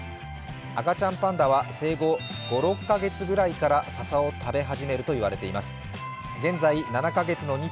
赤ちゃんパンダは生後５６カ月ぐらいからささを食べ始めると言われています。